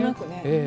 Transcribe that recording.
ええ。